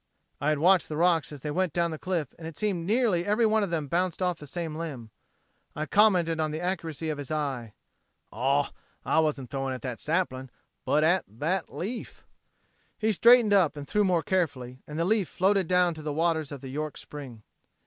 I had watched the rocks as they went down the cliff and it seemed nearly every one of them bounced off the same limb. I commented on the accuracy of his eye. "Aw! I wasn't throwing at that sapling, but at that leaf." He straightened up and threw more carefully; and the leaf floated down to the waters of the York spring.